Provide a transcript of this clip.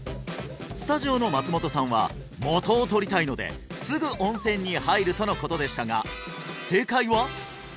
スタジオの松本さんは元を取りたいのですぐ温泉に入るとのことでしたが正解は？